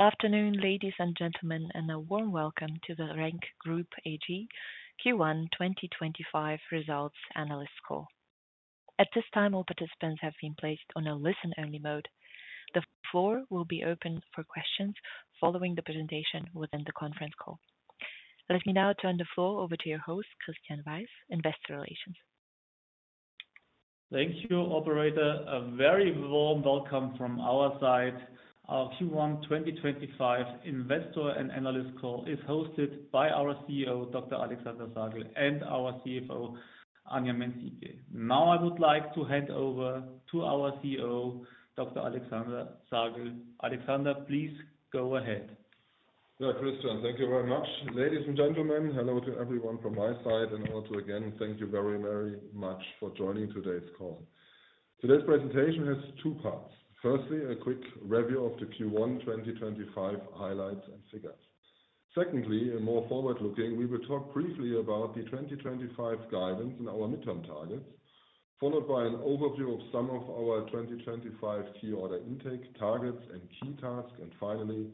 Good afternoon, ladies and gentlemen, and a warm welcome to the RENK Group AG Q1 2025 results analyst call. At this time, all participants have been placed on a listen-only mode. The floor will be open for questions following the presentation within the conference call. Let me now turn the floor over to your host, Christian Weiß, Investor Relations. Thank you, Operator. A very warm welcome from our side. Our Q1 2025 investor and analyst call is hosted by our CEO, Dr. Alexander Sagel, and our CFO, Anja Mänz-Siebje. Now I would like to hand over to our CEO, Dr. Alexander Sagel. Alexander, please go ahead. Yeah, Christian, thank you very much. Ladies and gentlemen, hello to everyone from my side, and I want to again thank you very, very much for joining today's call. Today's presentation has two parts. Firstly, a quick review of the Q1 2025 highlights and figures. Secondly, more forward-looking, we will talk briefly about the 2025 guidance and our midterm targets, followed by an overview of some of our 2025 key order intake targets and key tasks. Finally,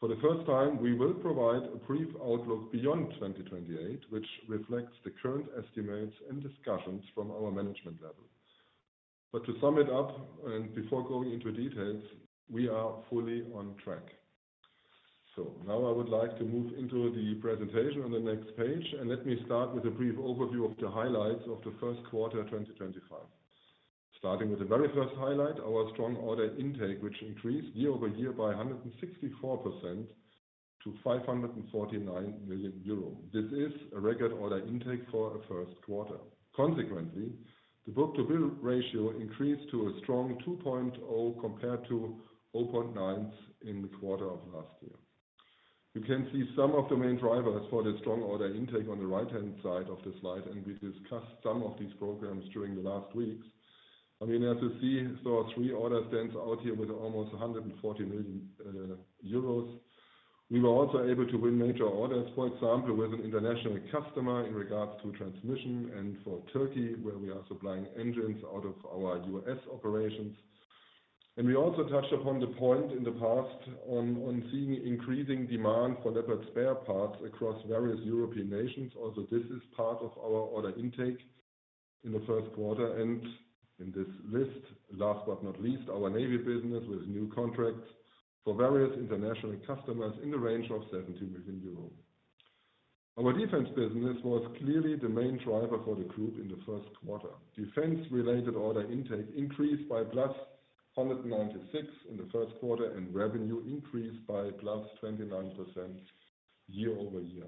for the first time, we will provide a brief outlook beyond 2028, which reflects the current estimates and discussions from our management level. To sum it up, and before going into details, we are fully on track. Now I would like to move into the presentation on the next page, and let me start with a brief overview of the highlights of the first quarter 2025. Starting with the very first highlight, our strong order intake, which increased year-over-year by 164% to 549 million euro. This is a record order intake for a first quarter. Consequently, the book-to-bill ratio increased to a strong 2.0 compared to 0.9 in the quarter of last year. You can see some of the main drivers for the strong order intake on the right-hand side of the slide, and we discussed some of these programs during the last weeks. I mean, as you see, those three orders stand out here with almost 140 million euros. We were also able to win major orders, for example, with an international customer in regards to transmission, and for Turkey, where we are supplying engines out of our U.S. operations. We also touched upon the point in the past on seeing increasing demand for Leopard spare parts across various European nations. Also, this is part of our order intake in the first quarter. In this list, last but not least, our navy business with new contracts for various international customers in the range of 70 million euros. Our defense business was clearly the main driver for the group in the first quarter. Defense-related order intake increased by +196% in the first quarter, and revenue increased by +29% year-over-year.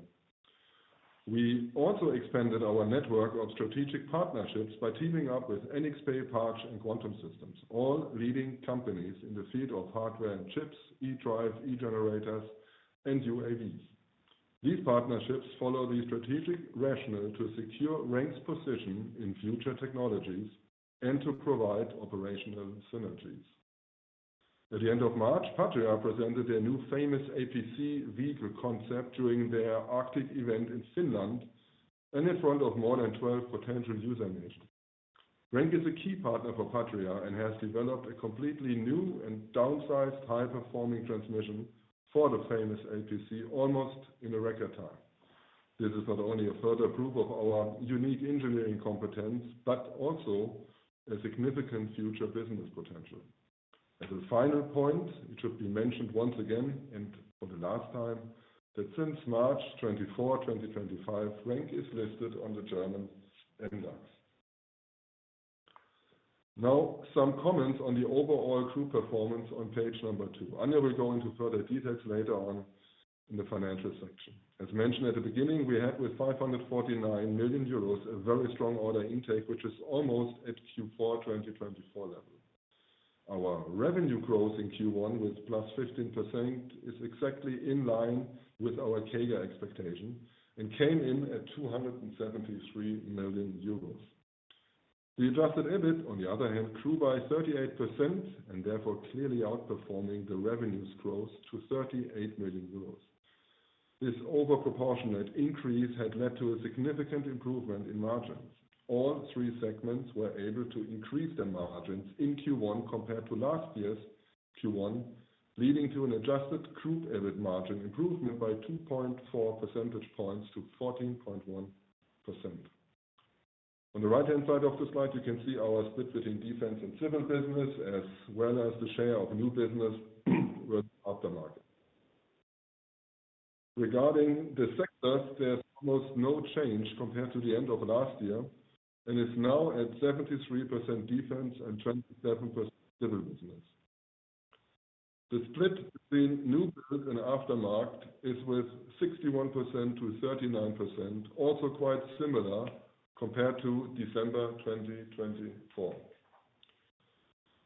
We also expanded our network of strategic partnerships by teaming up with NXP, Patria, and Quantum Systems, all leading companies in the field of hardware and chips, eDrive, eGenerators, and UAVs. These partnerships follow the strategic rationale to secure RENK's position in future technologies and to provide operational synergies. At the end of March, Patria presented their new famous APC vehicle concept during their Arctic event in Finland and in front of more than 12 potential user nations. RENK is a key partner for Patria and has developed a completely new and downsized high-performing transmission for the famous APC almost in record time. This is not only a further proof of our unique engineering competence, but also a significant future business potential. As a final point, it should be mentioned once again, and for the last time, that since March 24, 2025, RENK is listed on the German MDAX. Now, some comments on the overall group performance on page number two. Anja will go into further details later on in the financial section. As mentioned at the beginning, we had with 549 million euros a very strong order intake, which is almost at Q4 2024 level. Our revenue growth in Q1 with +15% is exactly in line with our CAGR expectation and came in at 273 million euros. The adjusted EBIT, on the other hand, grew by 38% and therefore clearly outperforming the revenues growth to 38 million euros. This overproportionate increase had led to a significant improvement in margins. All three segments were able to increase their margins in Q1 compared to last year's Q1, leading to an adjusted group EBIT margin improvement by 2.4 percentage points to 14.1%. On the right-hand side of the slide, you can see our split between defense and civil business, as well as the share of new business with aftermarket. Regarding the sectors, there's almost no change compared to the end of last year and is now at 73% defense and 27% civil business. The split between new build and aftermarket is with 61% to 39%, also quite similar compared to December 2024.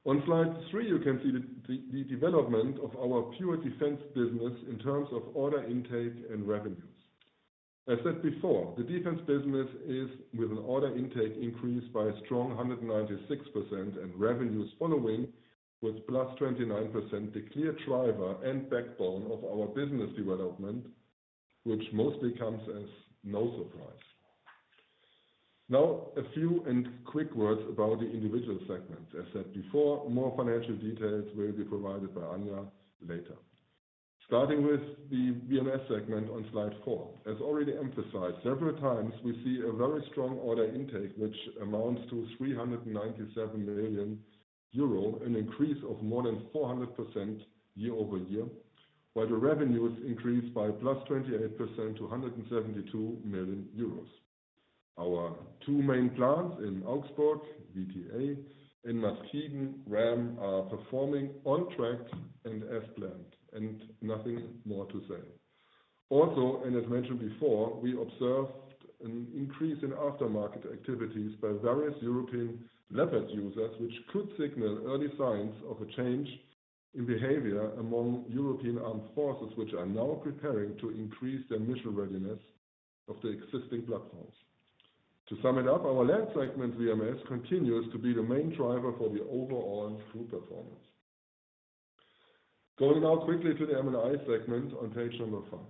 On slide three, you can see the development of our pure defense business in terms of order intake and revenues. As said before, the defense business is with an order intake increase by a strong 196% and revenues following with +29%, the clear driver and backbone of our business development, which mostly comes as no surprise. Now, a few quick words about the individual segments. As said before, more financial details will be provided by Anja later. Starting with the VMS segment on slide four. As already emphasized several times, we see a very strong order intake, which amounts to 397 million euro, an increase of more than 400% year-over-year, while the revenues increased by +28% to 172 million euros. Our two main plants in Augsburg, VTA, and Maschinen RAM are performing on track and as planned, and nothing more to say. Also, and as mentioned before, we observed an increase in aftermarket activities by various European Leopard users, which could signal early signs of a change in behavior among European armed forces, which are now preparing to increase their mission readiness of the existing platforms. To sum it up, our LED segment VMS continues to be the main driver for the overall group performance. Going now quickly to the M&I segment on page number five.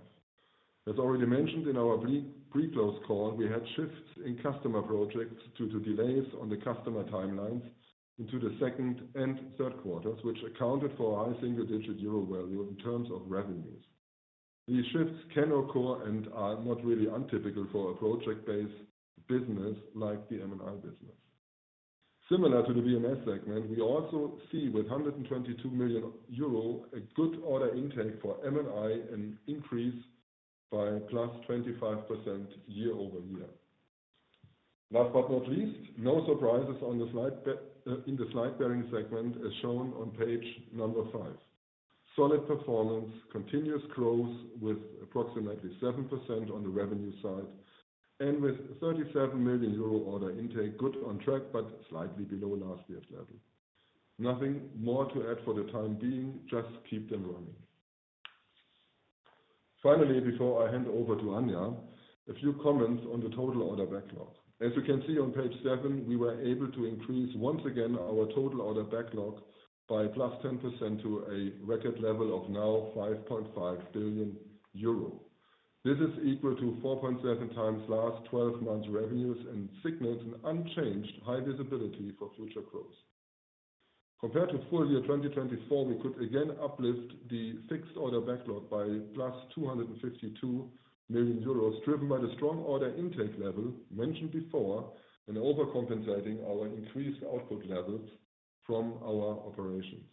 As already mentioned in our pre-close call, we had shifts in customer projects due to delays on the customer timelines into the second and third quarters, which accounted for a high single-digit EUR value in terms of revenues. These shifts can occur and are not really untypical for a project-based business like the M&I business. Similar to the VMS segment, we also see with 122 million euro a good order intake for M&I and increase by +25% year-over-year. Last but not least, no surprises on the slide bearing segment as shown on page number five. Solid performance, continuous growth with approximately 7% on the revenue side and with 37 million euro order intake, good on track but slightly below last year's level. Nothing more to add for the time being, just keep them running. Finally, before I hand over to Anja, a few comments on the total order backlog. As you can see on page seven, we were able to increase once again our total order backlog by +10% to a record level of now 5.5 billion euro. This is equal to 4.7x last 12 months' revenues and signals an unchanged high visibility for future growth. Compared to full year 2024, we could again uplift the fixed order backlog by plus 252 million euros, driven by the strong order intake level mentioned before and overcompensating our increased output levels from our operations.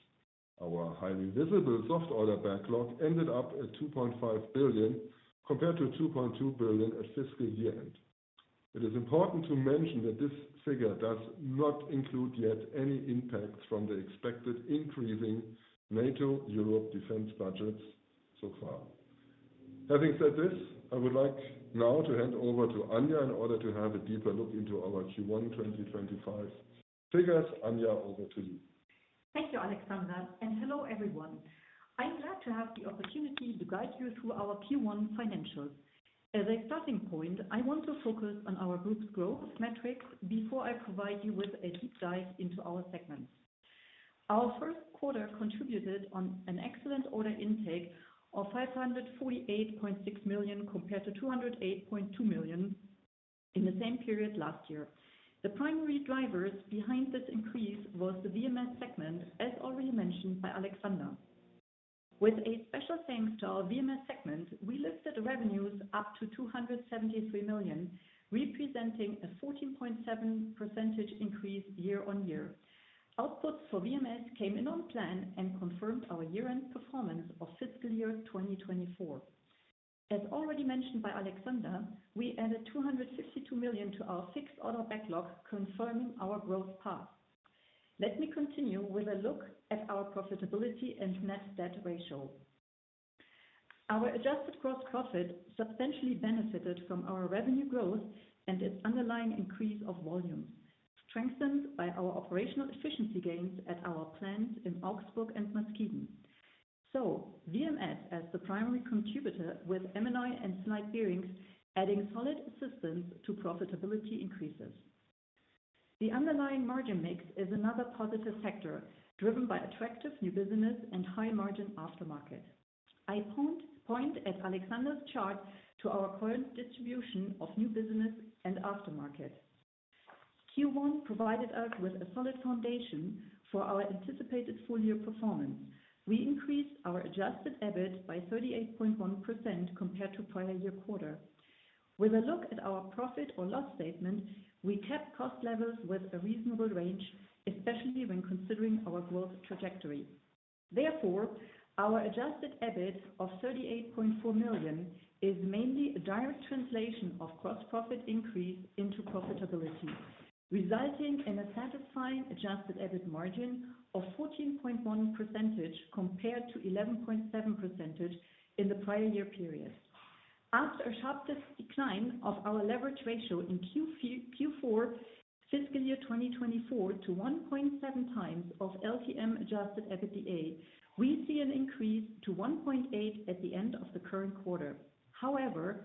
Our highly visible soft order backlog ended up at 2.5 billion compared to 2.2 billion at fiscal year end. It is important to mention that this figure does not include yet any impact from the expected increasing NATO-Europe defense budgets so far. Having said this, I would like now to hand over to Anja in order to have a deeper look into our Q1 2025 figures. Anja, over to you. Thank you, Alexander, and hello everyone. I'm glad to have the opportunity to guide you through our Q1 financials. As a starting point, I want to focus on our group's growth metrics before I provide you with a deep dive into our segments. Our first quarter contributed on an excellent order intake of 548.6 million compared to 208.2 million in the same period last year. The primary drivers behind this increase were the VMS segment, as already mentioned by Alexander. With a special thanks to our VMS segment, we lifted revenues up to 273 million, representing a 14.7% increase year-on-year. Outputs for VMS came in on plan and confirmed our year-end performance of fiscal year 2024. As already mentioned by Alexander, we added 252 million to our fixed order backlog, confirming our growth path. Let me continue with a look at our profitability and net debt ratio. Our adjusted gross profit substantially benefited from our revenue growth and its underlying increase of volume, strengthened by our operational efficiency gains at our plants in Augsburg and Maschinen. VMS as the primary contributor with M&I and slide bearings adding solid assistance to profitability increases. The underlying margin mix is another positive factor driven by attractive new business and high margin aftermarket. I point at Alexander's chart to our current distribution of new business and aftermarket. Q1 provided us with a solid foundation for our anticipated full year performance. We increased our adjusted EBIT by 38.1% compared to prior year quarter. With a look at our profit or loss statement, we kept cost levels within a reasonable range, especially when considering our growth trajectory. Therefore, our adjusted EBIT of 38.4 million is mainly a direct translation of gross profit increase into profitability, resulting in a satisfying adjusted EBIT margin of 14.1% compared to 11.7% in the prior year period. After a sharp decline of our leverage ratio in Q4 fiscal year 2024 to 1.7x of LTM adjusted EBITDA, we see an increase to 1.8 at the end of the current quarter. However,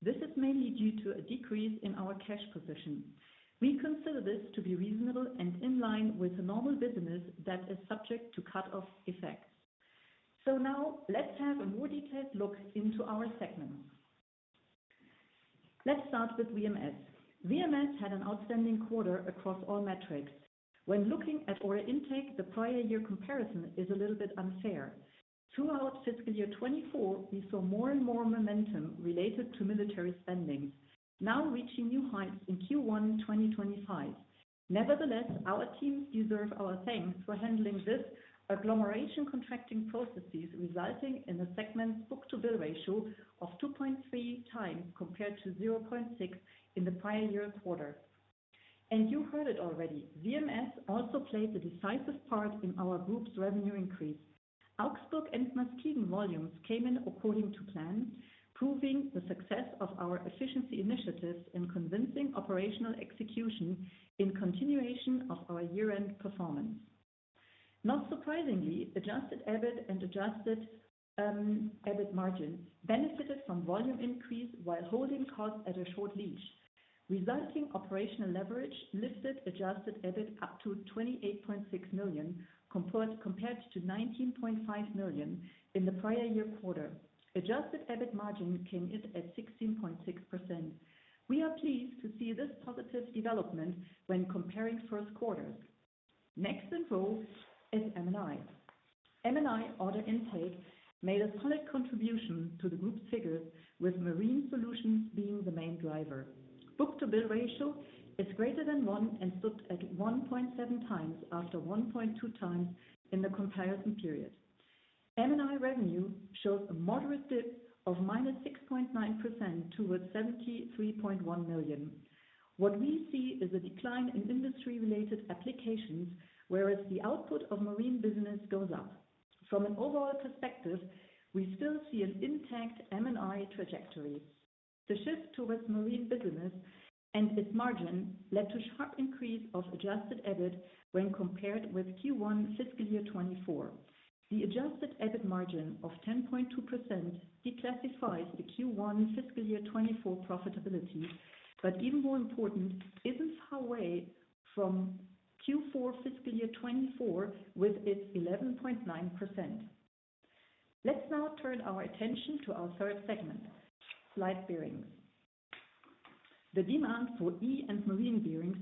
this is mainly due to a decrease in our cash position. We consider this to be reasonable and in line with a normal business that is subject to cut-off effects. Now, let's have a more detailed look into our segments. Let's start with VMS. VMS had an outstanding quarter across all metrics. When looking at order intake, the prior year comparison is a little bit unfair. Throughout fiscal year 2024, we saw more and more momentum related to military spending, now reaching new heights in Q1 2025. Nevertheless, our teams deserve our thanks for handling this agglomeration contracting processes, resulting in a segment's book-to-bill ratio of 2.3x compared to 0.6 in the prior year quarter. You heard it already, VMS also played a decisive part in our group's revenue increase. Augsburg and Maschinen volumes came in according to plan, proving the success of our efficiency initiatives and convincing operational execution in continuation of our year-end performance. Not surprisingly, adjusted EBIT and adjusted EBIT margins benefited from volume increase while holding costs at a short leash, resulting in operational leverage lifted adjusted EBIT up to 28.6 million compared to 19.5 million in the prior year quarter. Adjusted EBIT margin came in at 16.6%. We are pleased to see this positive development when comparing first quarters. Next in row is M&I. M&I order intake made a solid contribution to the group's figures, with marine solutions being the main driver. Book-to-bill ratio is greater than one and stood at 1.7x after 1.2x in the comparison period. M&I revenue shows a moderate dip of -6.9% to 73.1 million. What we see is a decline in industry-related applications, whereas the output of marine business goes up. From an overall perspective, we still see an intact M&I trajectory. The shift towards marine business and its margin led to a sharp increase of adjusted EBIT when compared with Q1 fiscal year 2024. The adjusted EBIT margin of 10.2% declassifies the Q1 fiscal year 2024 profitability, but even more important, is not far away from Q4 fiscal year 2024 with its 11.9%. Let's now turn our attention to our third segment, slide bearings. The demand for E and marine bearings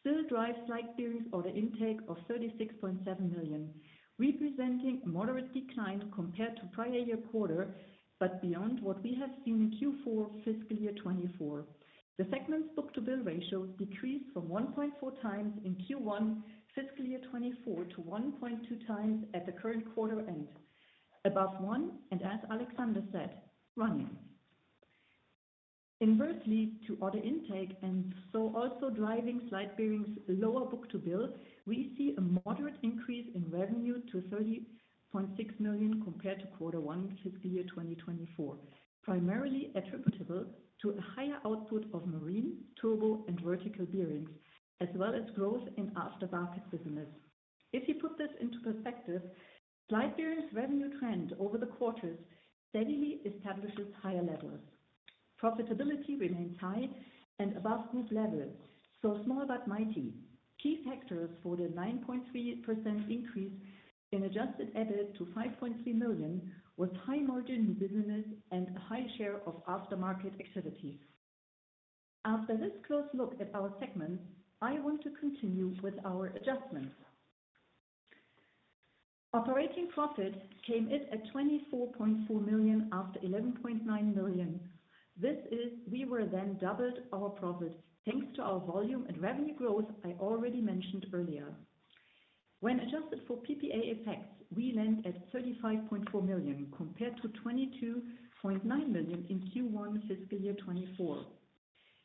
still drives slide bearings order intake of 36.7 million, representing a moderate decline compared to prior year quarter, but beyond what we have seen in Q4 fiscal year 2024. The segment's book-to-bill ratio decreased from 1.4x in Q1 fiscal year 2024 to 1.2x at the current quarter end, above one, and as Alexander said, running. Inversely to order intake and so also driving slide bearings lower book-to-bill, we see a moderate increase in revenue to 30.6 million compared to quarter one fiscal year 2024, primarily attributable to a higher output of marine, turbo, and vertical bearings, as well as growth in aftermarket business. If you put this into perspective, slide bearings revenue trend over the quarters steadily establishes higher levels. Profitability remains high and above group level, so small but mighty. Key factors for the 9.3% increase in adjusted EBIT to 5.3 million were high margin new business and a high share of aftermarket activities. After this close look at our segments, I want to continue with our adjustments. Operating profit came in at 24.4 million after 11.9 million. This is we were then doubled our profit thanks to our volume and revenue growth I already mentioned earlier. When adjusted for PPA effects, we land at 35.4 million compared to 22.9 million in Q1 fiscal year 2024.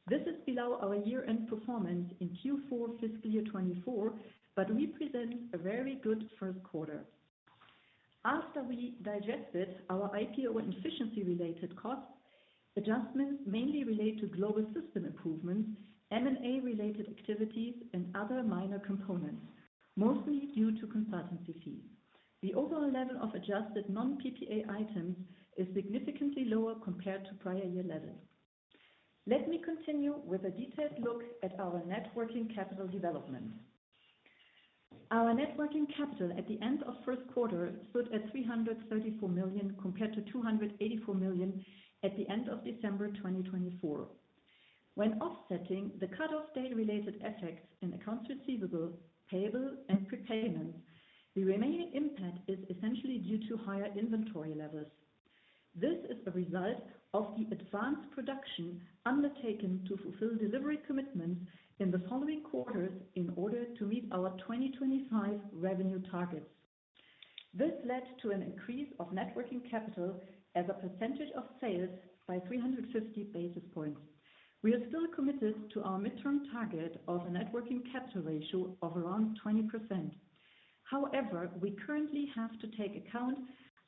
This is below our year-end performance in Q4 fiscal year 2024, but represents a very good first quarter. After we digested our IPO and efficiency-related costs, adjustments mainly relate to global system improvements, M&A-related activities, and other minor components, mostly due to consultancy fees. The overall level of adjusted non-PPA items is significantly lower compared to prior year levels. Let me continue with a detailed look at our net working capital development. Our net working capital at the end of first quarter stood at 334 million compared to 284 million at the end of December 2024. When offsetting the cut-off date-related effects in accounts receivable, payable, and prepayments, the remaining impact is essentially due to higher inventory levels. This is a result of the advanced production undertaken to fulfill delivery commitments in the following quarters in order to meet our 2025 revenue targets. This led to an increase of net working capital as a percentage of sales by 350 basis points. We are still committed to our midterm target of a net working capital ratio of around 20%. However, we currently have to take account of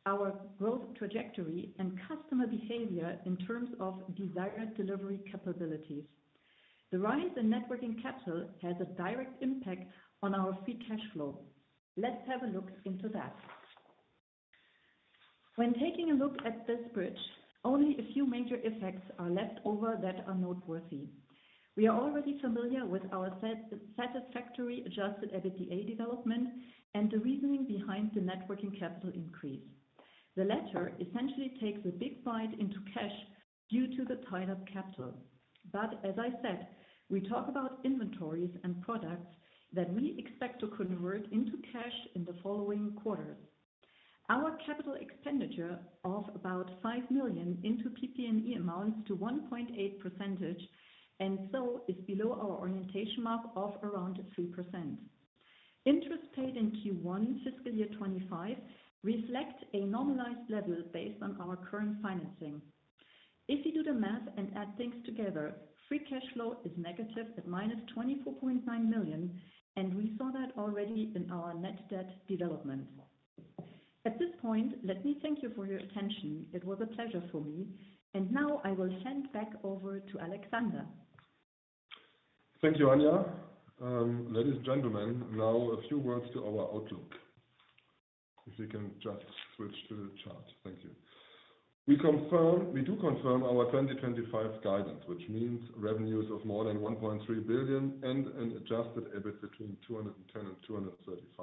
our growth trajectory and customer behavior in terms of desired delivery capabilities. The rise in net working capital has a direct impact on our free cash flow. Let's have a look into that. When taking a look at this bridge, only a few major effects are left over that are noteworthy. We are already familiar with our satisfactory adjusted EBITDA development and the reasoning behind the net working capital increase. The latter essentially takes a big bite into cash due to the tied-up capital. As I said, we talk about inventories and products that we expect to convert into cash in the following quarters. Our capital expenditure of about 5 million into PP&E amounts to 1.8% and is below our orientation mark of around 3%. Interest paid in Q1 fiscal year 2025 reflects a normalized level based on our current financing. If you do the math and add things together, free cash flow is negative at -24.9 million, and we saw that already in our net debt development. At this point, let me thank you for your attention. It was a pleasure for me. I will now hand back over to Alexander. Thank you, Anja. Ladies and gentlemen, now a few words to our outlook. If you can just switch to the chart. Thank you. We do confirm our 2025 guidance, which means revenues of more than 1.3 billion and an adjusted EBIT between 210 million and 235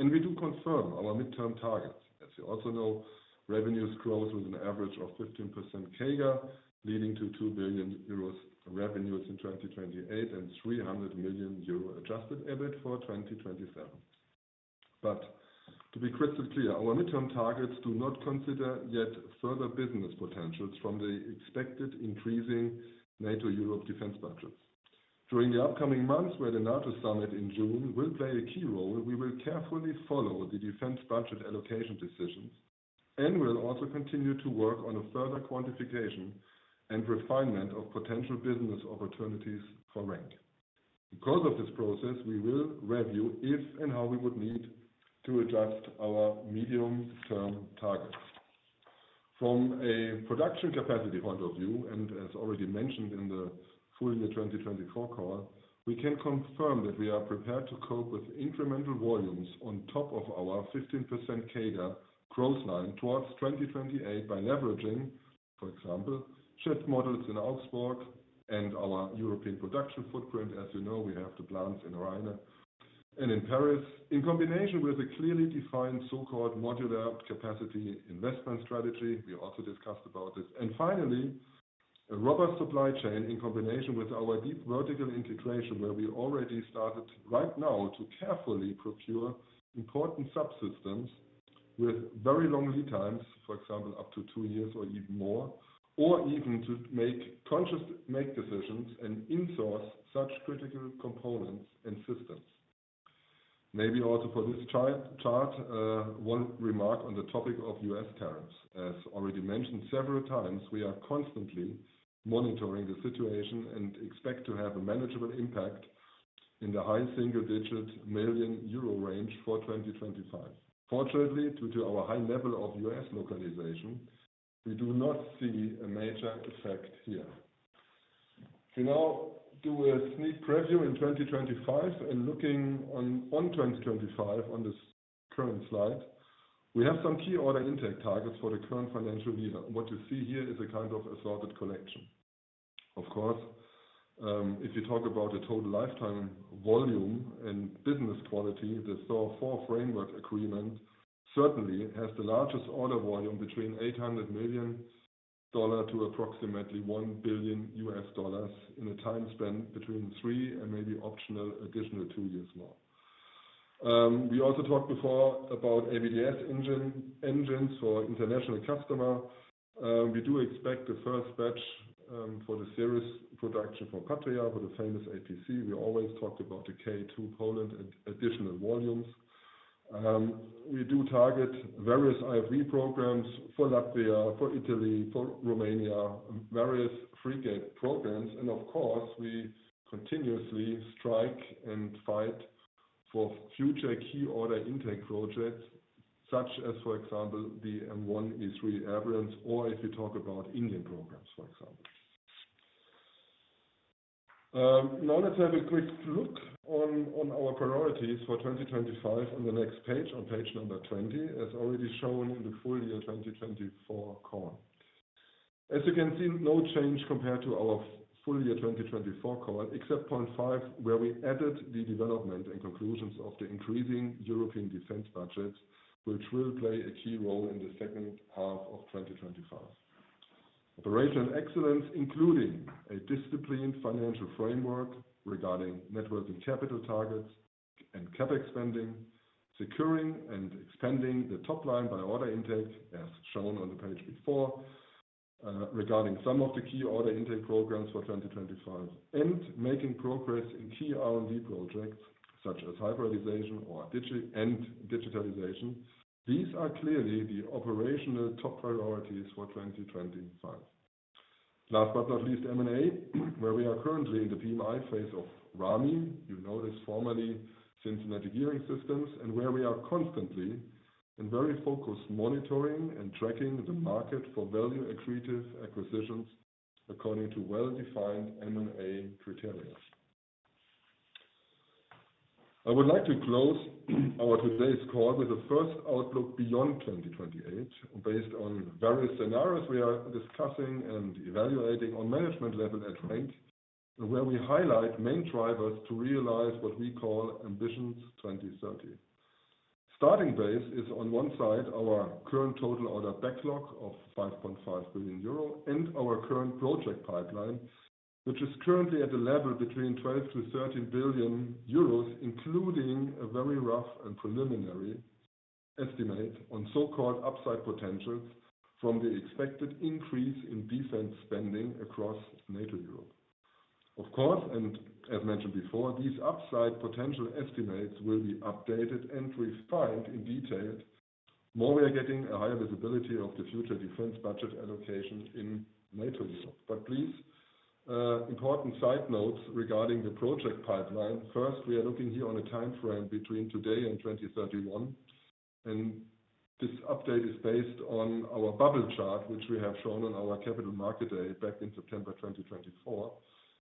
million. We do confirm our midterm targets. As you also know, revenues grow with an average of 15% CAGR, leading to 2 billion euros revenues in 2028 and 300 million euro adjusted EBIT for 2027. To be crystal clear, our midterm targets do not consider yet further business potentials from the expected increasing NATO-Europe defense budgets. During the upcoming months, where the NATO summit in June will play a key role, we will carefully follow the defense budget allocation decisions and will also continue to work on a further quantification and refinement of potential business opportunities for RENK. Because of this process, we will review if and how we would need to adjust our medium-term targets. From a production capacity point of view, and as already mentioned in the full year 2024 call, we can confirm that we are prepared to cope with incremental volumes on top of our 15% CAGR growth line towards 2028 by leveraging, for example, shift models in Augsburg and our European production footprint. As you know, we have the plants in Rheine and in Paris, in combination with a clearly defined so-called modular capacity investment strategy. We also discussed this. Finally, a robust supply chain in combination with our deep vertical integration, where we already started right now to carefully procure important subsystems with very long lead times, for example, up to two years or even more, or even to make conscious decisions and insource such critical components and systems. Maybe also for this chart, one remark on the topic of U.S. tariffs. As already mentioned several times, we are constantly monitoring the situation and expect to have a manageable impact in the high single-digit million EUR range for 2025. Fortunately, due to our high level of U.S. localization, we do not see a major effect here. We now do a sneak preview in 2025, and looking on 2025 on this current slide, we have some key order intake targets for the current financial year. What you see here is a kind of assorted collection. Of course, if you talk about the total lifetime volume and business quality, the SO4 framework agreement certainly has the largest order volume between $800 million-$1 billion in a time span between three and maybe optional additional two years more. We also talked before about ABDS engines for international customers. We do expect the first batch for the series production for Patria, for the famous APC. We always talked about the K2 Poland additional volumes. We do target various IFV programs for Latvia, for Italy, for Romania, various frigate programs. Of course, we continuously strike and fight for future key order intake projects, such as, for example, the M1E3 Abrams, or if you talk about Indian programs, for example. Now let's have a quick look on our priorities for 2025 on the next page, on page number 20, as already shown in the full year 2024 call. As you can see, no change compared to our full year 2024 call, except point five, where we added the development and conclusions of the increasing European defense budgets, which will play a key role in the second half of 2025. Operational excellence, including a disciplined financial framework regarding net working capital targets and CapEx spending, securing and expanding the top line by order intake, as shown on the page before, regarding some of the key order intake programs for 2025, and making progress in key R&D projects such as hybridization and digitalization. These are clearly the operational top priorities for 2025. Last but not least, M&A, where we are currently in the PMI phase of Rami. You know this formerly since NATO Gearing Systems, and where we are constantly and very focused monitoring and tracking the market for value-accretive acquisitions according to well-defined M&A criteria. I would like to close our today's call with a first outlook beyond 2028, based on various scenarios we are discussing and evaluating on management level at RENK, where we highlight main drivers to realize what we call ambitions 2030. Starting base is on one side our current total order backlog of 5.5 billion euro and our current project pipeline, which is currently at a level between 12 billion-13 billion euros, including a very rough and preliminary estimate on so-called upside potentials from the expected increase in defense spending across NATO-Europe. Of course, as mentioned before, these upside potential estimates will be updated and refined in detail. More we are getting, a higher visibility of the future defense budget allocation in NATO-Europe. Please, important side notes regarding the project pipeline. First, we are looking here on a time frame between today and 2031. This update is based on our bubble chart, which we have shown on our capital market day back in September 2024.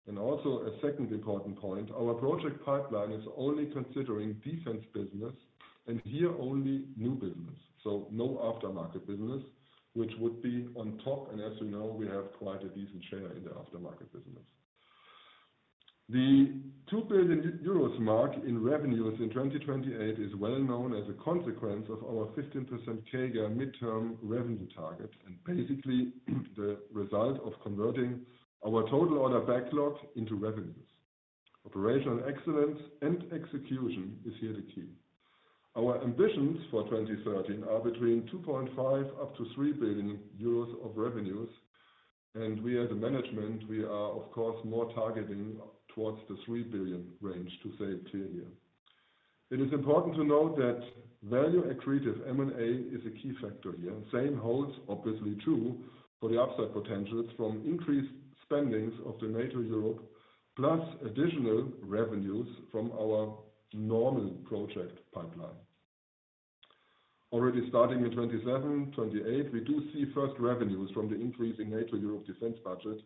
A second important point, our project pipeline is only considering defense business, and here only new business, so no aftermarket business, which would be on top. As we know, we have quite a decent share in the aftermarket business. The 2 billion euros mark in revenues in 2028 is well known as a consequence of our 15% CAGR midterm revenue target, and basically the result of converting our total order backlog into revenues. Operational excellence and execution is the key. Our ambitions for 2030 are between 2.5 billion-3 billion euros of revenues. We as a management, we are of course more targeting towards the 3 billion range, to say it clearly. It is important to note that value-accretive M&A is a key factor here. Same holds obviously true for the upside potentials from increased spendings of the NATO-Europe, plus additional revenues from our normal project pipeline. Already starting in 2027, 2028, we do see first revenues from the increase in NATO-Europe defense budget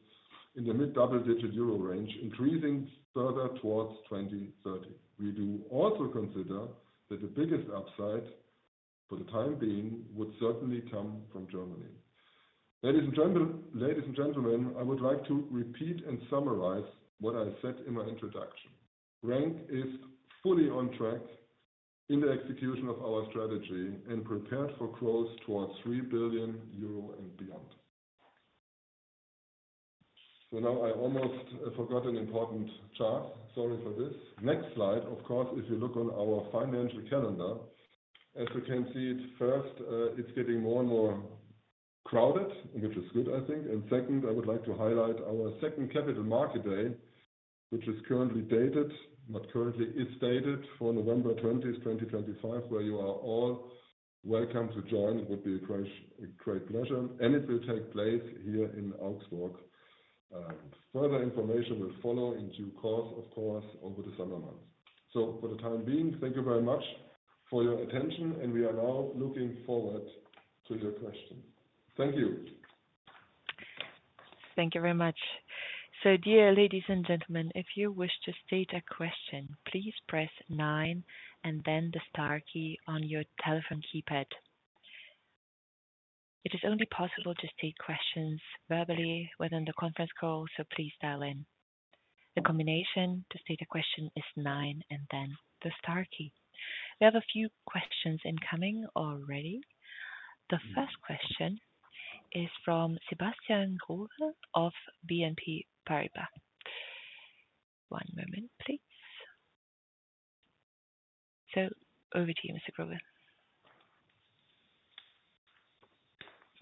in the mid double-digit EUR range, increasing further towards 2030. We do also consider that the biggest upside for the time being would certainly come from Germany. Ladies and gentlemen, I would like to repeat and summarize what I said in my introduction. RENK is fully on track in the execution of our strategy and prepared for growth towards 3 billion euro and beyond. I almost forgot an important chart. Sorry for this. Next slide, of course, if you look on our financial calendar, as you can see, first, it's getting more and more crowded, which is good, I think. I would like to highlight our second capital market day, which is dated for November 20, 2025, where you are all welcome to join. It would be a great pleasure, and it will take place here in Augsburg. Further information will follow in due course, of course, over the summer months. For the time being, thank you very much for your attention, and we are now looking forward to your questions. Thank you. Thank you very much. Dear ladies and gentlemen, if you wish to state a question, please press nine and then the star key on your telephone keypad. It is only possible to state questions verbally within the conference call, so please dial in. The combination to state a question is nine and then the star key. We have a few questions incoming already. The first question is from Sebastian Growe of BNP Paribas. One moment, please. Over to you, Mr. Growe.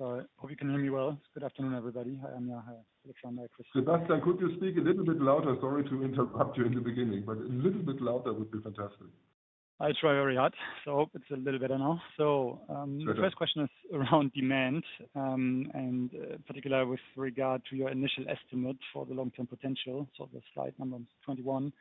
I hope you can hear me well. Good afternoon, everybody. Hi, Anja. Hi, Alexander. Sebastian, could you speak a little bit louder? Sorry to interrupt you in the beginning, but a little bit louder would be fantastic. I'll try very hard. It's a little better now. The first question is around demand, and particularly with regard to your initial estimate for the long-term potential. The slide number 21.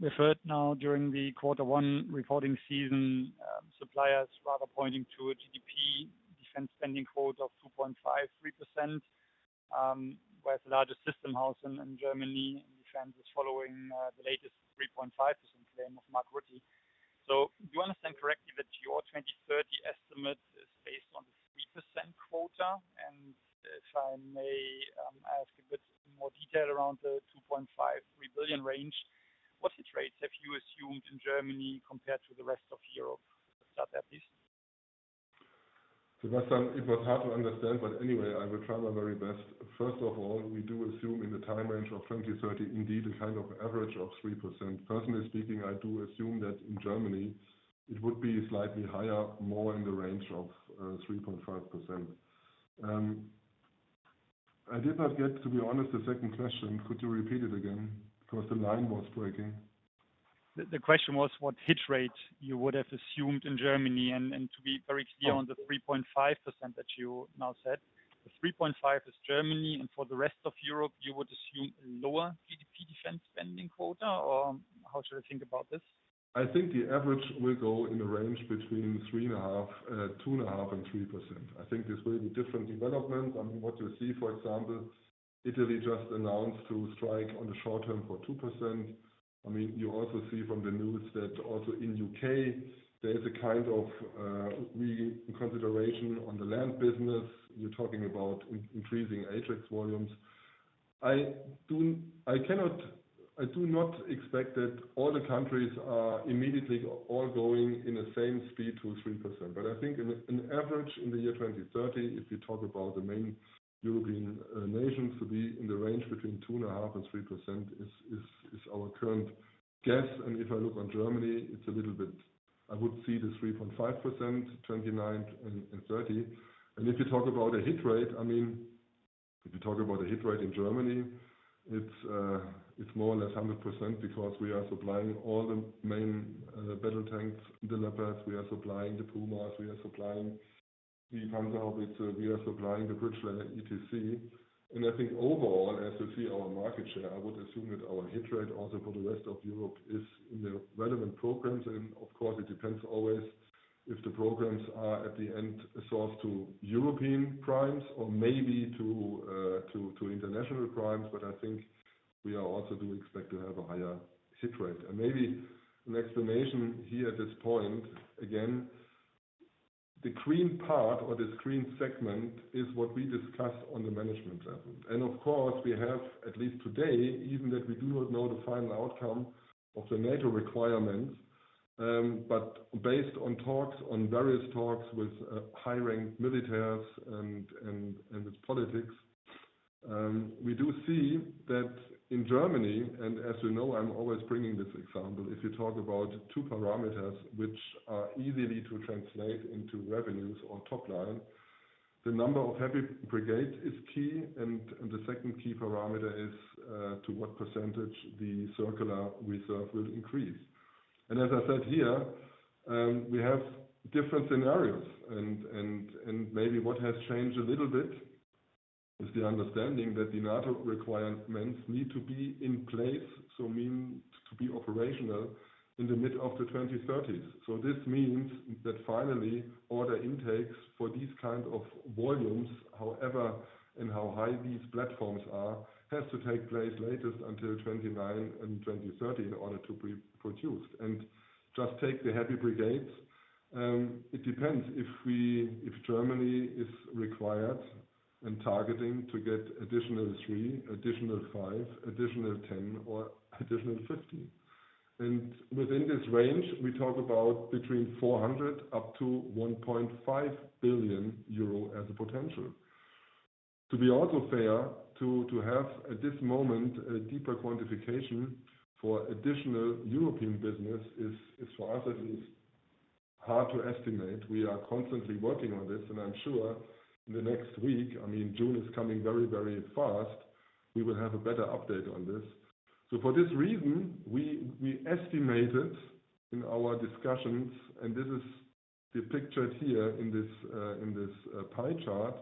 We've heard now during the quarter one reporting season, suppliers rather pointing to a GDP defense spending quota of 2.5%, whereas the largest system house in Germany in defense is following the latest 3.5% claim of Mark Rutte. Do I understand correctly that your 2030 estimate is based on the 3% quota? If I may ask a bit more detail around the 2.5 billion-3 billion range, what trades have you assumed in Germany compared to the rest of Europe? Start there, please. Sebastian, it was hard to understand, but anyway, I will try my very best. First of all, we do assume in the time range of 2030, indeed, a kind of average of 3%. Personally speaking, I do assume that in Germany, it would be slightly higher, more in the range of 3.5%. I did not get, to be honest, the second question. Could you repeat it again? Because the line was breaking. The question was what hit rate you would have assumed in Germany. To be very clear on the 3.5% that you now said, the 3.5% is Germany. For the rest of Europe, you would assume a lower GDP defense spending quota? Or how should I think about this? I think the average will go in the range between 3.5%, 2.5%, and 3%. I think this will be different developments. I mean, what you see, for example, Italy just announced to strike on the short term for 2%. I mean, you also see from the news that also in the U.K., there is a kind of reconsideration on the land business. You're talking about increasing ATEX volumes. I do not expect that all the countries are immediately all going in the same speed to 3%. I think an average in the year 2030, if you talk about the main European nations, to be in the range between 2.5% and 3% is our current guess. If I look on Germany, it's a little bit, I would see the 3.5%, 2029 and 2030. If you talk about a hit rate, I mean, if you talk about a hit rate in Germany, it's more or less 100% because we are supplying all the main battle tanks, the Leopards. We are supplying the Pumas. We are supplying the Panzerhaubitze. We are supplying the British ETC. I think overall, as you see our market share, I would assume that our hit rate also for the rest of Europe is in the relevant programs. Of course, it depends always if the programs are at the end sourced to European primes or maybe to international primes. I think we also do expect to have a higher hit rate. Maybe an explanation here at this point, again, the green part or this green segment is what we discussed on the management level. Of course, we have at least today, even that we do not know the final outcome of the NATO requirements. Based on talks, on various talks with high-ranked militaries and with politics, we do see that in Germany, and as you know, I am always bringing this example, if you talk about two parameters which are easily to translate into revenues or top line, the number of heavy brigades is key. The second key parameter is to what percentage the circular reserve will increase. As I said here, we have different scenarios. Maybe what has changed a little bit is the understanding that the NATO requirements need to be in place, so mean to be operational in the mid of the 2030s. This means that finally, order intakes for these kinds of volumes, however and how high these platforms are, have to take place latest until 2029 and 2030 in order to be produced. Just take the heavy brigades. It depends if Germany is required and targeting to get additional three, additional five, additional 10, or additional 50. Within this range, we talk about between 400 million-1.5 billion euro as a potential. To be also fair, to have at this moment a deeper quantification for additional European business is for us at least hard to estimate. We are constantly working on this. I am sure in the next week, I mean, June is coming very, very fast, we will have a better update on this. For this reason, we estimated in our discussions, and this is depicted here in this pie chart,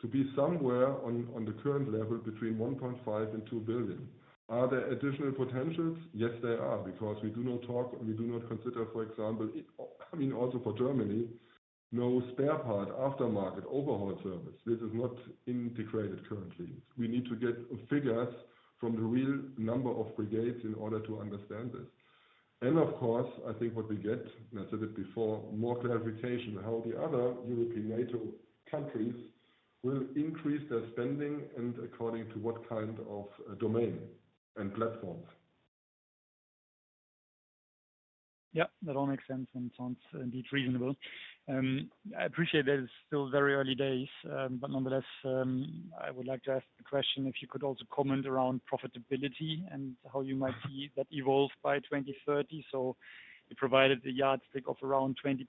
to be somewhere on the current level between 1.5 billion and 2 billion. Are there additional potentials? Yes, there are, because we do not talk, we do not consider, for example, I mean, also for Germany, no spare part, aftermarket, overhaul service. This is not integrated currently. We need to get figures from the real number of brigades in order to understand this. Of course, I think what we get, and I said it before, more clarification on how the other European NATO countries will increase their spending and according to what kind of domain and platforms. Yep, that all makes sense and sounds indeed reasonable. I appreciate that it's still very early days, but nonetheless, I would like to ask the question if you could also comment around profitability and how you might see that evolve by 2030. You provided a yardstick of around 20%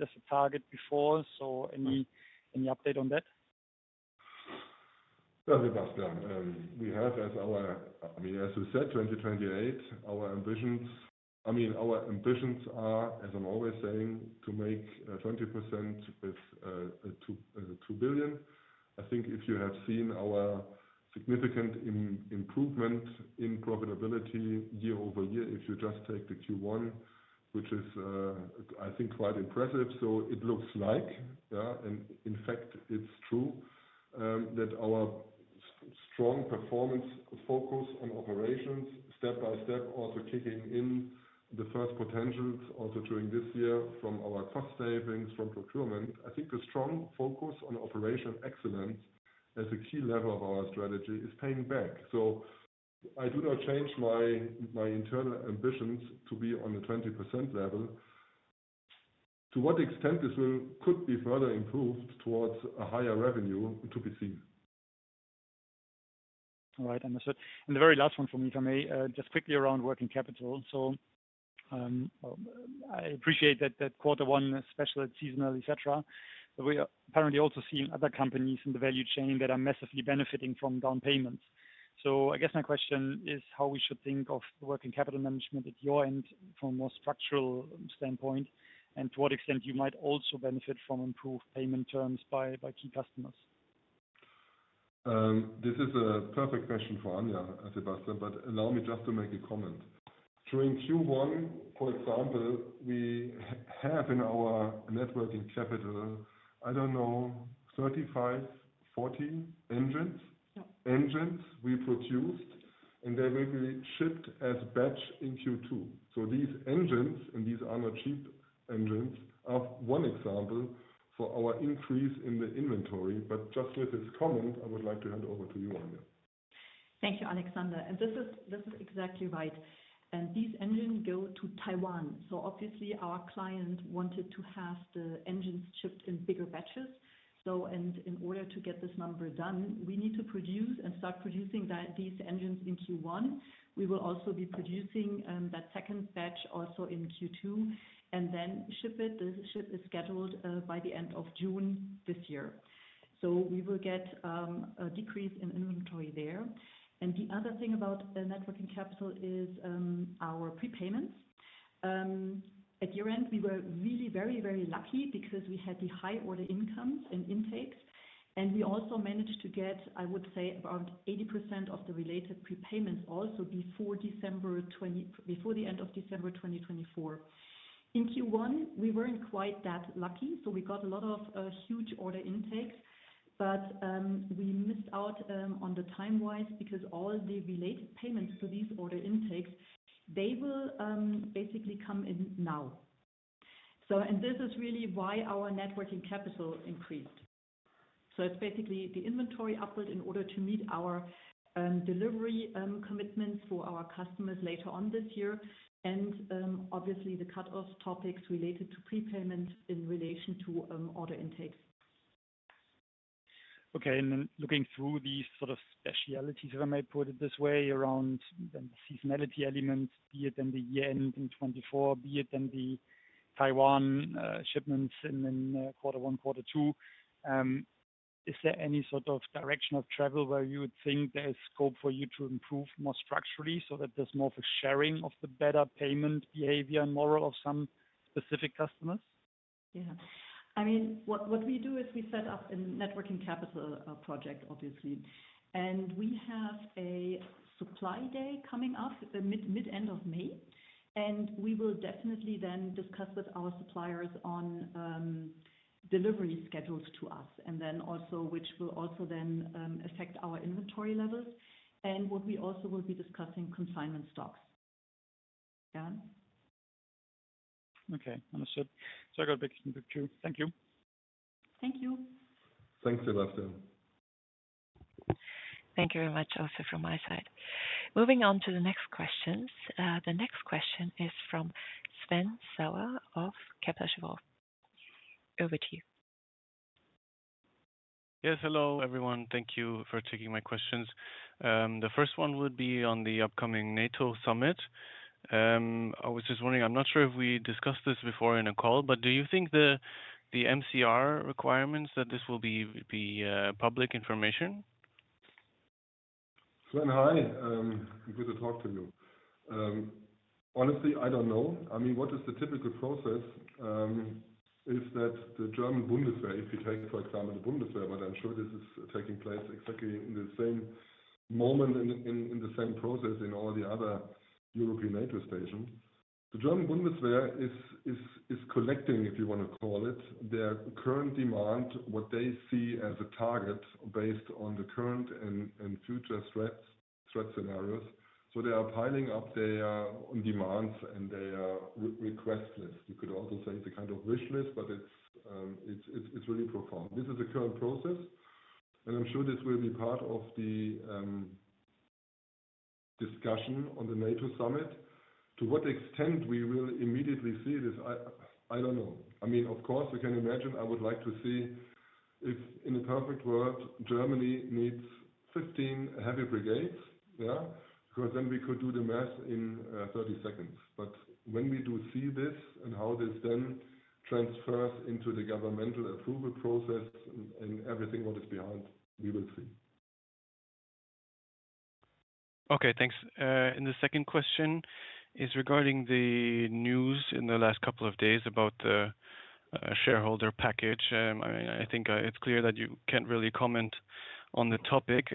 as a target before. Any update on that? Sebastian, we have, as our, I mean, as we said, 2028, our ambitions, I mean, our ambitions are, as I'm always saying, to make 20% with 2 billion. I think if you have seen our significant improvement in profitability year over year, if you just take the Q1, which is, I think, quite impressive. It looks like, and in fact, it's true that our strong performance focus on operations, step by step, also kicking in the first potentials also during this year from our cost savings, from procurement. I think the strong focus on operational excellence as a key level of our strategy is paying back. I do not change my internal ambitions to be on the 20% level. To what extent this could be further improved towards a higher revenue, to be seen. All right, understood. The very last one for me, if I may, just quickly around working capital. I appreciate that quarter one is special, it is seasonal, etc. We are apparently also seeing other companies in the value chain that are massively benefiting from down payments. I guess my question is how we should think of working capital management at your end from a more structural standpoint, and to what extent you might also benefit from improved payment terms by key customers. This is a perfect question for Anja, Sebastian, but allow me just to make a comment. During Q1, for example, we have in our networking capital, I do not know, 35 engines-40 engines we produced, and they will be shipped as batch in Q2. These engines, and these are not cheap engines, are one example for our increase in the inventory. With this comment, I would like to hand over to you, Anja. Thank you, Alexander. This is exactly right. These engines go to Taiwan. Obviously, our client wanted to have the engines shipped in bigger batches. In order to get this number done, we need to produce and start producing these engines in Q1. We will also be producing that second batch in Q2 and then ship it. The ship is scheduled by the end of June this year. We will get a decrease in inventory there. The other thing about networking capital is our prepayments. At year-end, we were really very, very lucky because we had the high order incomes and intakes. We also managed to get, I would say, about 80% of the related prepayments before the end of December 2024. In Q1, we were not quite that lucky. We got a lot of huge order intakes, but we missed out on the time-wise because all the related payments to these order intakes, they will basically come in now. This is really why our net working capital increased. It is basically the inventory upward in order to meet our delivery commitments for our customers later on this year. Obviously, the cut-off topics related to prepayments in relation to order intakes. Okay. Looking through these sort of specialities, if I may put it this way, around the seasonality elements, be it the year-end in 2024, be it the Taiwan shipments in quarter one, quarter two, is there any sort of direction of travel where you would think there is scope for you to improve more structurally so that there is more of a sharing of the better payment behavior and moral of some specific customers? Yeah. I mean, what we do is we set up a networking capital project, obviously. We have a supply day coming up mid-end of May. We will definitely then discuss with our suppliers on delivery schedules to us, which will also then affect our inventory levels. What we also will be discussing is confinement stocks. Yeah. Okay. Understood. So I got a big sneak peek. Thank you. Thank you. Thanks, Sebastian. Thank you very much also from my side. Moving on to the next questions. The next question is from Sven Sauer of Kepler Cheuvreux. Over to you. Yes, hello everyone. Thank you for taking my questions. The first one would be on the upcoming NATO summit. I was just wondering, I'm not sure if we discussed this before in a call, but do you think the MCR requirements that this will be public information? Sven, hi. Good to talk to you. Honestly, I don't know. I mean, what is the typical process? Is that the German Bundeswehr, if you take, for example, the Bundeswehr, but I'm sure this is taking place exactly in the same moment and in the same process in all the other European NATO stations. The German Bundeswehr is collecting, if you want to call it, their current demand, what they see as a target based on the current and future threat scenarios. So they are piling up their demands and their request list. You could also say it's a kind of wish list, but it's really profound. This is a current process. I am sure this will be part of the discussion on the NATO summit. To what extent we will immediately see this, I don't know. I mean, of course, we can imagine I would like to see if, in a perfect world, Germany needs 15 heavy brigades, yeah, because then we could do the math in 30 seconds. When we do see this and how this then transfers into the governmental approval process and everything what is behind, we will see. Okay, thanks. The second question is regarding the news in the last couple of days about the shareholder package. I think it's clear that you can't really comment on the topic.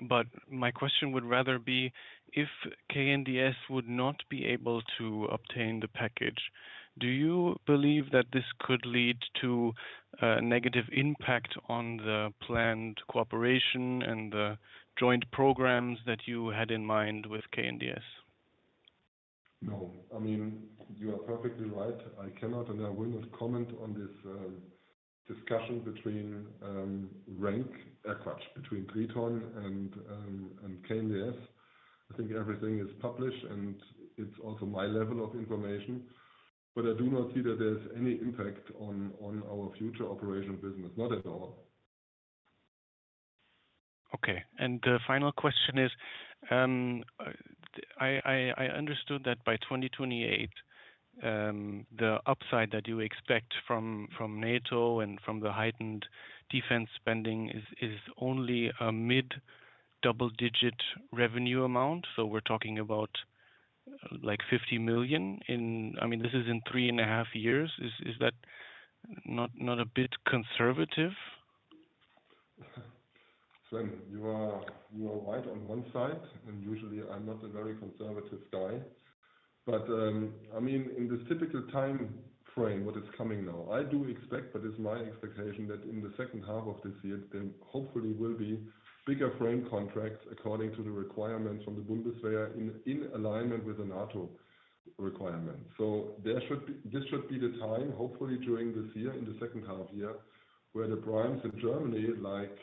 My question would rather be if KNDS would not be able to obtain the package. Do you believe that this could lead to a negative impact on the planned cooperation and the joint programs that you had in mind with KNDS? No. I mean, you are perfectly right. I cannot and I will not comment on this discussion between RENK, between Triton and KNDS. I think everything is published and it is also my level of information. I do not see that there is any impact on our future operational business, not at all. Okay. The final question is, I understood that by 2028, the upside that you expect from NATO and from the heightened defense spending is only a mid-double-digit revenue amount. We are talking about like 50 million. I mean, this is in 3 1/2 years. Is that not a bit conservative? Sven, you are right on one side. Usually, I'm not a very conservative guy. I mean, in this typical time frame, what is coming now, I do expect, but it's my expectation that in the second half of this year, there hopefully will be bigger frame contracts according to the requirements from the Bundeswehr in alignment with the NATO requirements. This should be the time, hopefully during this year, in the second half year, where the brands in Germany like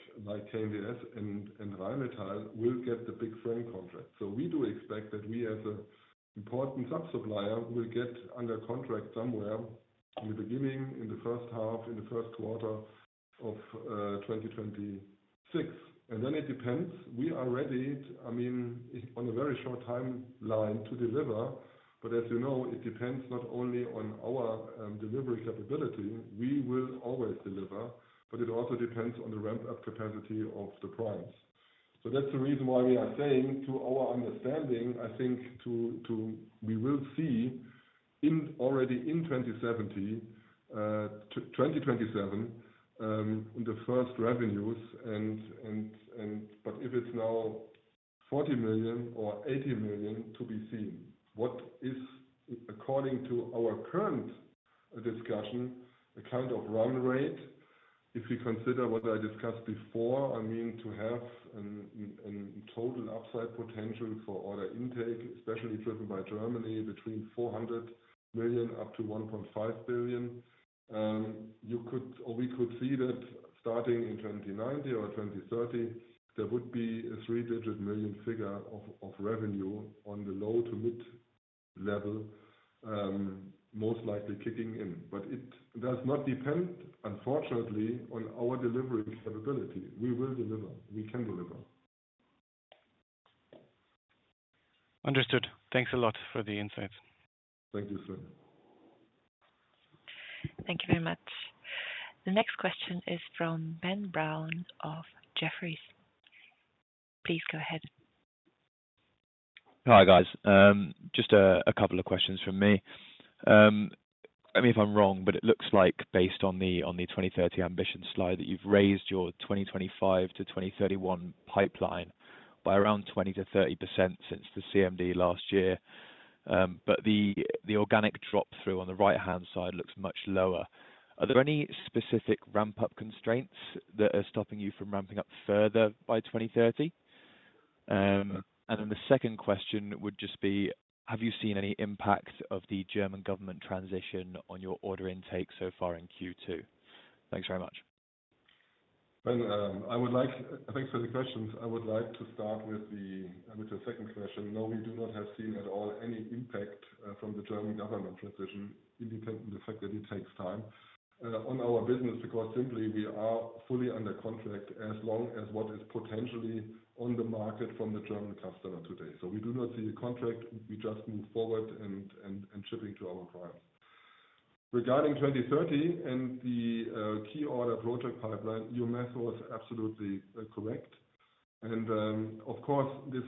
KNDS and Rheinmetall will get the big frame contract. We do expect that we as an important sub-supplier will get under contract somewhere in the beginning, in the first half, in the first quarter of 2026. It depends. We are ready, I mean, on a very short timeline to deliver. As you know, it depends not only on our delivery capability. We will always deliver, but it also depends on the ramp-up capacity of the brands. That is the reason why we are saying to our understanding, I think we will see already in 2027 the first revenues. If it is now 40 million or 80 million, to be seen. What is, according to our current discussion, the kind of run rate if we consider what I discussed before, I mean, to have a total upside potential for order intake, especially driven by Germany, between 400 million-1.5 billion. We could see that starting in 2029 or 2030, there would be a three-digit million figure of revenue on the low to mid-level, most likely kicking in. It does not depend, unfortunately, on our delivery capability. We will deliver. We can deliver. Understood. Thanks a lot for the insights. Thank you, Sven. Thank you very much. The next question is from Ben Brown of Jefferies. Please go ahead. Hi, guys. Just a couple of questions from me. I mean, if I'm wrong, but it looks like based on the 2030 ambition slide that you've raised your 2025 pipeline-2031 pipeline by around 20%-30% since the CMD last year. But the organic drop-through on the right-hand side looks much lower. Are there any specific ramp-up constraints that are stopping you from ramping up further by 2030? The second question would just be, have you seen any impact of the German government transition on your order intake so far in Q2? Thanks very much. Thanks for the questions. I would like to start with the second question. No, we do not have seen at all any impact from the German government transition, independent of the fact that it takes time on our business because simply we are fully under contract as long as what is potentially on the market from the German customer today. We do not see a contract. We just move forward and shipping to our clients. Regarding 2030 and the key order project pipeline, your math was absolutely correct. Of course, this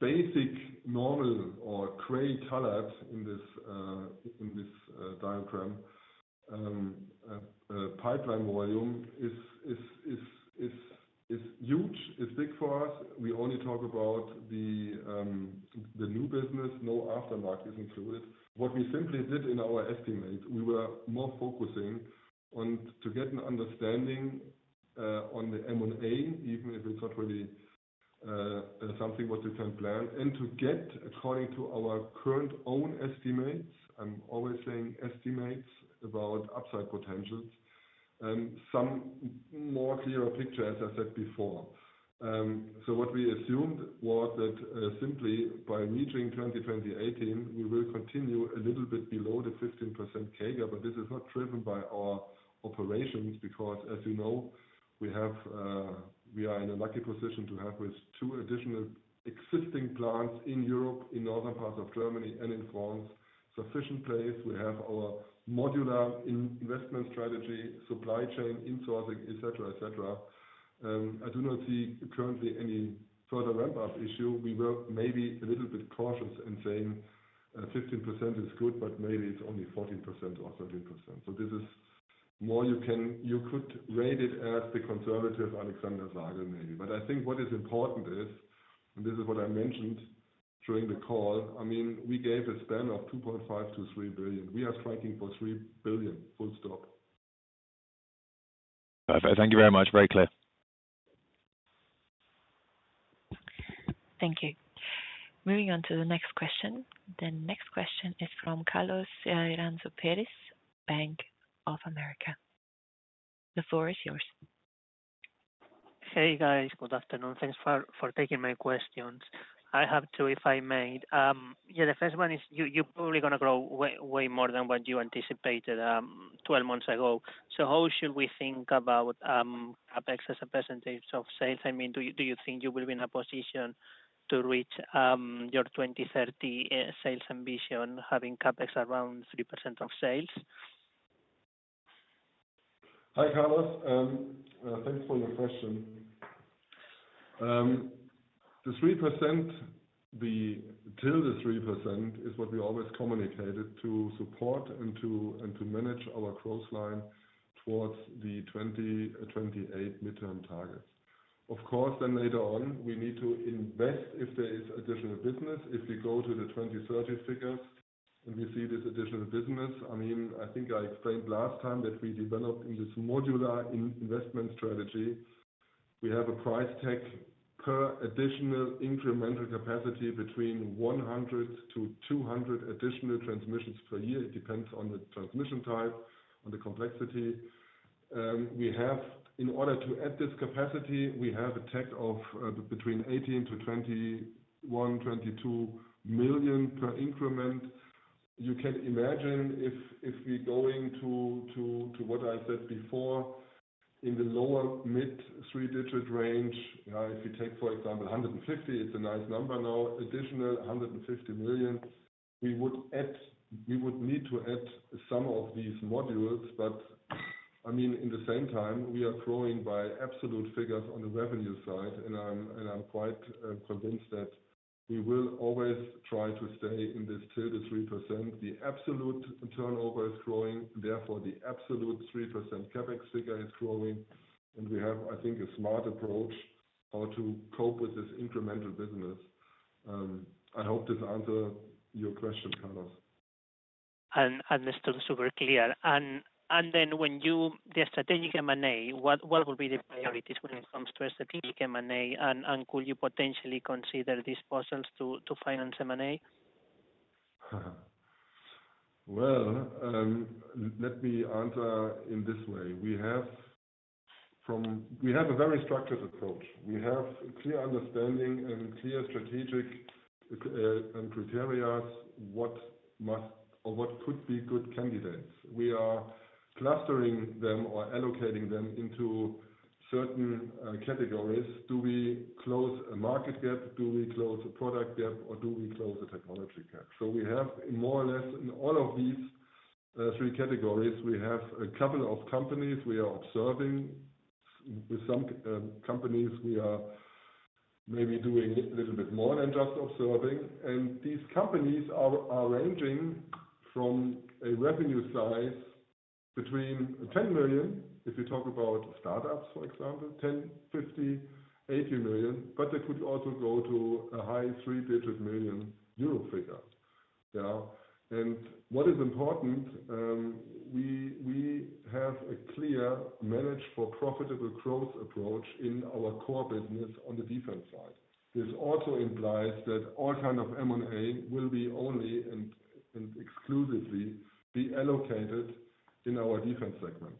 basic normal or gray colored in this diagram, pipeline volume is huge, is big for us. We only talk about the new business. No aftermath is included. What we simply did in our estimate, we were more focusing on to get an understanding on the M&A, even if it's not really something what you can plan, and to get, according to our current own estimates, I'm always saying estimates about upside potentials, some more clearer picture, as I said before. What we assumed was that simply by reaching 2018, we will continue a little bit below the 15% CAGR, but this is not driven by our operations because, as you know, we are in a lucky position to have with two additional existing plants in Europe, in northern parts of Germany and in France, sufficient place. We have our modular investment strategy, supply chain insourcing, etc., etc. I do not see currently any further ramp-up issue. We were maybe a little bit cautious in saying 15% is good, but maybe it's only 14% or 13%. This is more, you could rate it as the conservative Alexander Sagel maybe. I think what is important is, and this is what I mentioned during the call, I mean, we gave a span of 2.5 billion-3 billion. We are striking for 3 billion. Full stop. Perfect. Thank you very much. Very clear. Thank you. Moving on to the next question. The next question is from Carlos Iranzo Peris, Bank of America. The floor is yours. Hey, guys. Good afternoon. Thanks for taking my questions. I have two if I may. Yeah, the first one is you're probably going to grow way more than what you anticipated 12 months ago. How should we think about CapEx as a percentage of sales? I mean, do you think you will be in a position to reach your 2030 sales ambition having CapEx around 3% of sales? Hi, Carlos. Thanks for your question. The 3%, the till the 3% is what we always communicated to support and to manage our growth line towards the 2028 midterm targets. Of course, then later on, we need to invest if there is additional business. If we go to the 2030 figures and we see this additional business, I mean, I think I explained last time that we developed in this modular investment strategy. We have a price tag per additional incremental capacity between 100 additional transmissions-200 additional transmissions per year. It depends on the transmission type, on the complexity. In order to add this capacity, we have a tag of between 18 million-21 million, 22 million per increment. You can imagine if we're going to what I said before in the lower mid three-digit range, if you take, for example, 150, it's a nice number now, additional 150 million, we would need to add some of these modules. I mean, in the same time, we are growing by absolute figures on the revenue side. I'm quite convinced that we will always try to stay in this till the 3%. The absolute turnover is growing. Therefore, the absolute 3% CapEx figure is growing. We have, I think, a smart approach how to cope with this incremental business. I hope this answers your question, Carlos. I understood super clear. When you the strategic M&A, what will be the priorities when it comes to strategic M&A? Could you potentially consider disposals to finance M&A? Let me answer in this way. We have a very structured approach. We have a clear understanding and clear strategic criteria of what could be good candidates. We are clustering them or allocating them into certain categories. Do we close a market gap? Do we close a product gap? Or do we close a technology gap? We have more or less in all of these three categories, we have a couple of companies we are observing. With some companies, we are maybe doing a little bit more than just observing. These companies are ranging from a revenue size between 10 million if you talk about startups, for example, 10 million, 50 million, 80 million. They could also go to a high three-digit million euro figure. What is important, we have a clear managed for profitable growth approach in our core business on the defense side. This also implies that all kinds of M&A will be only and exclusively be allocated in our defense segment.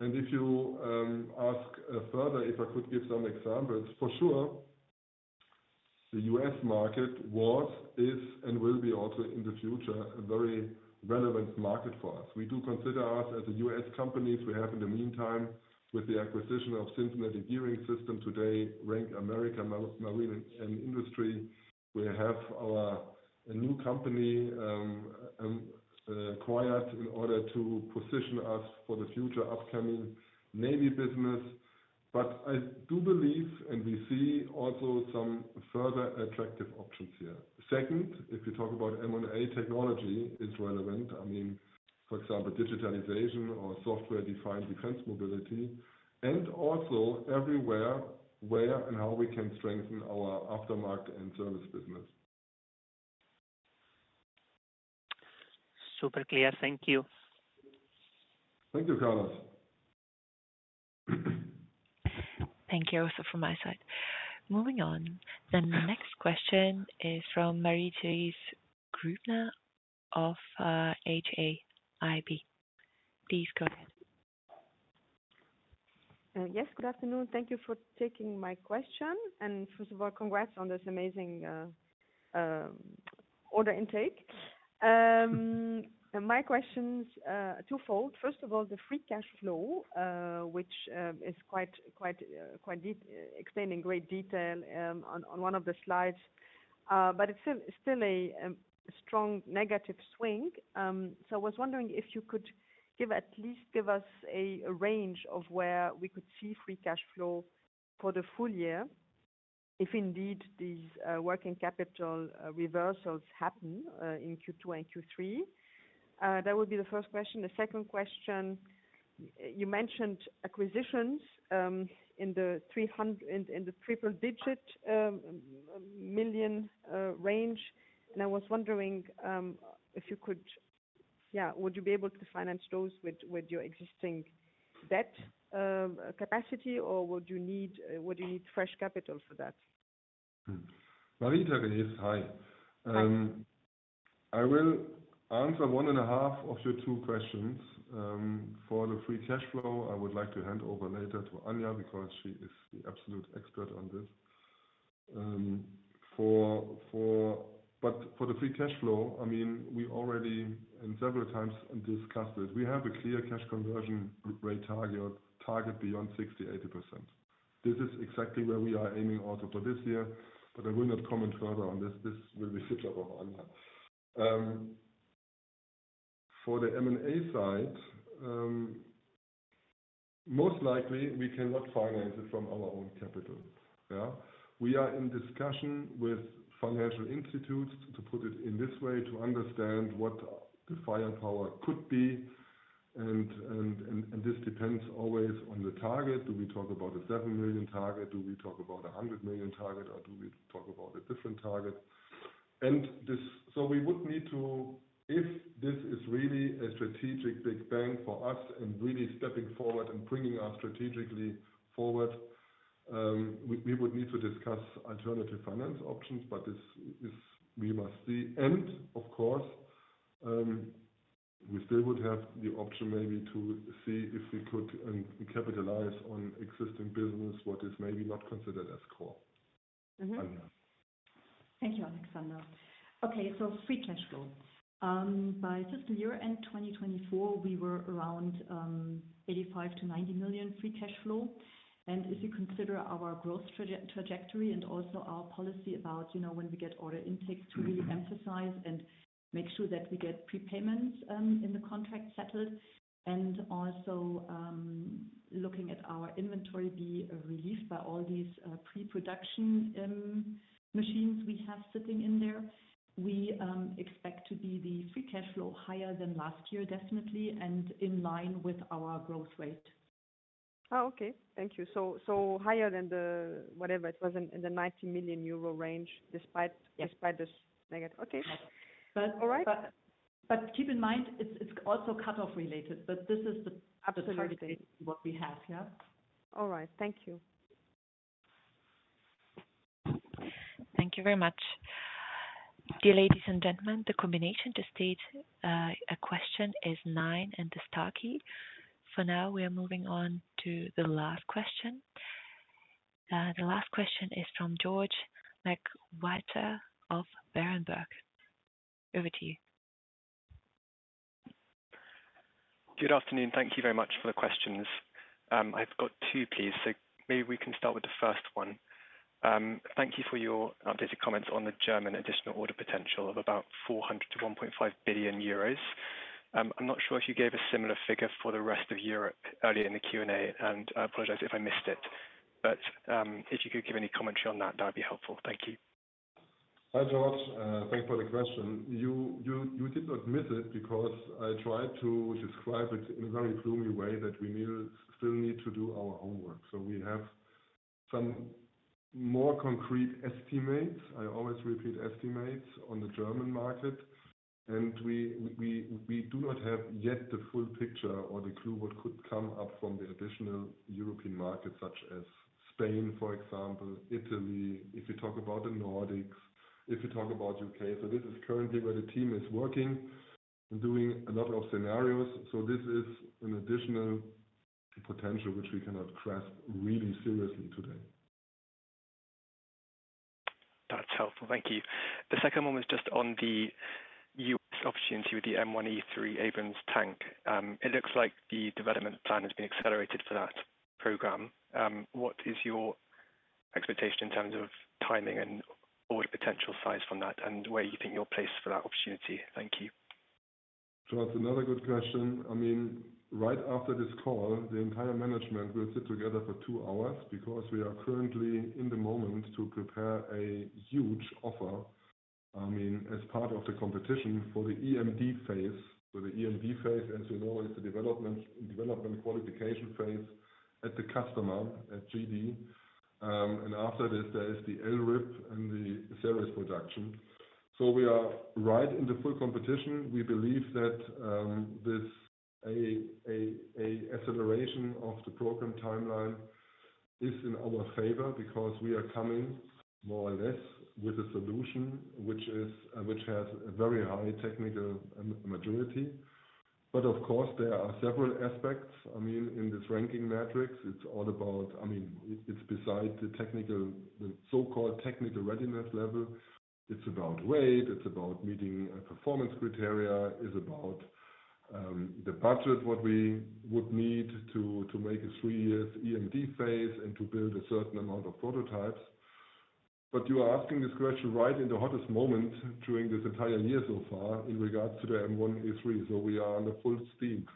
If you ask further if I could give some examples, for sure, the U.S. market was, is, and will be also in the future a very relevant market for us. We do consider us as a US company. We have, in the meantime, with the acquisition of Cincinnati Gearing System today, RENK America Marine & Industry. We have a new company acquired in order to position us for the future upcoming Navy business. I do believe and we see also some further attractive options here. Second, if you talk about M&A technology, it is relevant. I mean, for example, digitalization or software-defined defense mobility. Also everywhere where and how we can strengthen our aftermarket and service business. Super clear. Thank you. Thank you, Carlos. Thank you also from my side. Moving on. The next question is from Marie-Thérèse Grübner of HAIB. Please go ahead. Yes, good afternoon. Thank you for taking my question. First of all, congrats on this amazing order intake. My question's twofold. First of all, the free cash flow, which is quite explained in great detail on one of the slides, but it's still a strong negative swing. I was wondering if you could at least give us a range of where we could see free cash flow for the full year if indeed these working capital reversals happen in Q2 and Q3. That would be the first question. The second question, you mentioned acquisitions in the triple-digit million range. I was wondering if you could, yeah, would you be able to finance those with your existing debt capacity, or would you need fresh capital for that? Value target is high. I will answer one and a half of your two questions. For the free cash flow, I would like to hand over later to Anja because she is the absolute expert on this. For the free cash flow, I mean, we already and several times discussed it. We have a clear cash conversion rate target beyond 60%-80%. This is exactly where we are aiming also for this year. I will not comment further on this. This will be the job of Anja. For the M&A side, most likely, we cannot finance it from our own capital. We are in discussion with financial institutes to put it in this way to understand what the firepower could be. This depends always on the target. Do we talk about a $7 million target? Do we talk about a $100 million target? Do we talk about a different target? We would need to, if this is really a strategic big bang for us and really stepping forward and bringing us strategically forward, we would need to discuss alternative finance options. We must see. Of course, we still would have the option maybe to see if we could capitalize on existing business, what is maybe not considered as core. Thank you, Alexander. Okay, so free cash flow. By fiscal year end 2024, we were around 85 million-90 million free cash flow. If you consider our growth trajectory and also our policy about when we get order intakes to really emphasize and make sure that we get prepayments in the contract settled and also looking at our inventory being relieved by all these pre-production machines we have sitting in there, we expect to be the free cash flow higher than last year, definitely, and in line with our growth rate. Oh, okay. Thank you. So higher than the whatever it was in the 90 million euro range despite this negative. Okay. Keep in mind, it's also cut-off related. This is the target what we have. Yeah. All right. Thank you. Thank you very much. Dear ladies and gentlemen, the combination to state a question is nine and the star key. For now, we are moving on to the last question. The last question is from George McWhirter of Berenberg. Over to you. Good afternoon. Thank you very much for the questions. I've got two, please. Maybe we can start with the first one. Thank you for your updated comments on the German additional order potential of about 400 million-1.5 billion euros. I'm not sure if you gave a similar figure for the rest of Europe earlier in the Q&A, and I apologize if I missed it. If you could give any commentary on that, that would be helpful. Thank you. Hi, George. Thank you for the question. You did not miss it because I tried to describe it in a very gloomy way that we still need to do our homework. We have some more concrete estimates. I always repeat estimates on the German market. We do not have yet the full picture or the clue what could come up from the additional European market, such as Spain, for example, Italy, if you talk about the Nordics, if you talk about the U.K. This is currently where the team is working and doing a lot of scenarios. This is an additional potential which we cannot grasp really seriously today. That's helpful. Thank you. The second one was just on the U.S. opportunity with the M1E3 Abrams tank. It looks like the development plan has been accelerated for that program. What is your expectation in terms of timing and order potential size from that and where you think you're placed for that opportunity? Thank you. That's another good question. I mean, right after this call, the entire management will sit together for two hours because we are currently in the moment to prepare a huge offer, I mean, as part of the competition for the EMD phase. The EMD phase, as you know, is the development qualification phase at the customer, at GD. After this, there is the LRIP and the series production. We are right in the full competition. We believe that this acceleration of the program timeline is in our favor because we are coming more or less with a solution which has a very high technical maturity. Of course, there are several aspects. I mean, in this ranking matrix, it's all about, I mean, it's beside the so-called technical readiness level. It's about weight. It's about meeting performance criteria. It's about the budget what we would need to make a three-year EMD phase and to build a certain amount of prototypes. You are asking this question right in the hottest moment during this entire year so far in regards to the M1E3. We are on the full steam.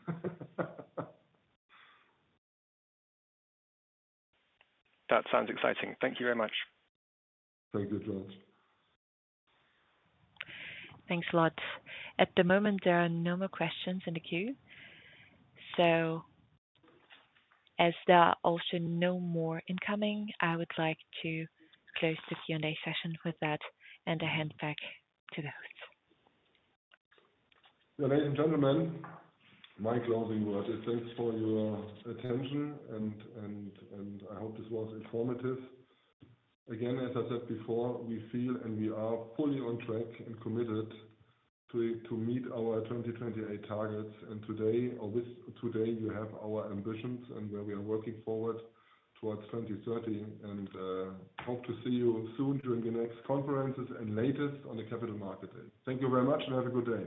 That sounds exciting. Thank you very much. Thank you, George. Thanks a lot. At the moment, there are no more questions in the queue. As there are also no more incoming, I would like to close the Q&A session with that and hand back to the host. Ladies and gentlemen, my closing word is thanks for your attention. I hope this was informative. Again, as I said before, we feel and we are fully on track and committed to meet our 2028 targets. Today, you have our ambitions and where we are working forward towards 2030. I hope to see you soon during the next conferences and latest on the capital market day. Thank you very much and have a good day.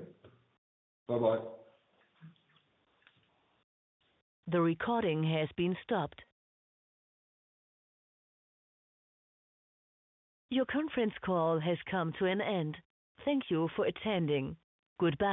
Bye-bye. The recording has been stopped. Your conference call has come to an end. Thank you for attending. Goodbye.